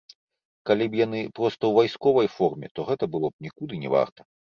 Калі б яны проста ў вайсковай форме, то гэта было б нікуды не варта.